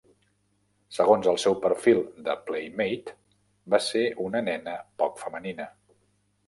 Segons el seu perfil de Playmate, va ser una nena poc femenina.